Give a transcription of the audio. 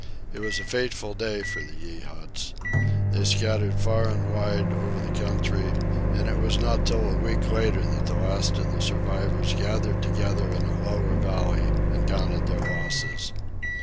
It was a fateful day for the Yeehats. They scattered far and wide over the country, and it was not till a week later that the last of the survivors gathered together in a lower valley and counted their losses.